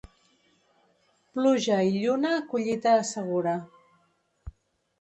Pluja i lluna collita assegura.